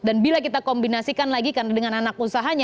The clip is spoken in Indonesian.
dan bila kita kombinasikan lagi dengan anak usahanya